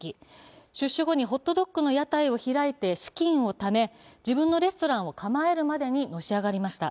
出所後にホットドッグの屋台を開いて資金をため自分のレストランを構えるまでにのし上がりました。